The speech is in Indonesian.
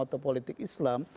atau politik islam